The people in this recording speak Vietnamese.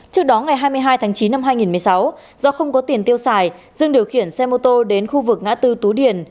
trước đó ngày hai mươi hai tháng chín năm hai nghìn một mươi sáu do không có tiền tiêu xài dương điều khiển xe mô tô đến khu vực ngã tư tú điền